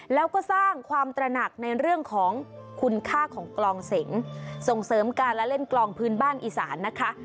แล้วก็สร้างความตระหนักในเรื่องของคุณค่าของกลองเสงส่งเสริมการละเล่นกลองพื้นบ้านอีสานนะคะ